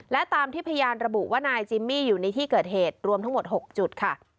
และตามที่พยานระบุว่านายจิมมี่อยู่ในที่เกิดเหตุรวมทั้งหมด๖จุดค่ะ